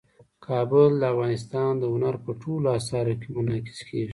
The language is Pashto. کابل د افغانستان د هنر په ټولو اثارو کې منعکس کېږي.